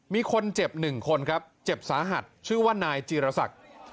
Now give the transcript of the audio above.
มีคนเจ็บ๑คนครับเจ็บสาหัสชื่อว่านายจีรศักดิ์